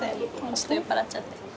ちょっと酔っぱらっちゃって。